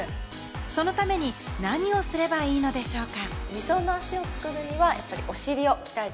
そのために何をすればいいのでしょうか？